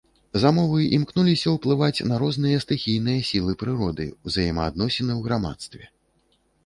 Замовы імкнуліся ўплываць на розныя стыхійныя сілы прыроды, узаемаадносіны ў грамадстве.